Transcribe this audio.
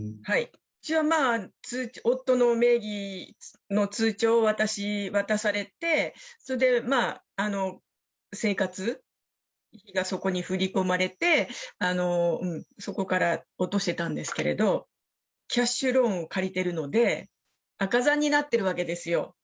うちは夫の名義の通帳を私、渡されて、それで生活費がそこに振り込まれて、そこから落としてたんですけど、キャッシュローンを借りてるので、赤残になってるわけですよ。